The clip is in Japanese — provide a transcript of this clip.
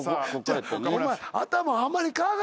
お前。